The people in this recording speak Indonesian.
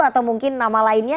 atau mungkin nama lainnya